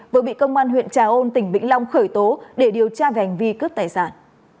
vừa bị công an huyện trà ôn tỉnh vĩnh long khởi tố để điều tra về hành vi cướp tài sản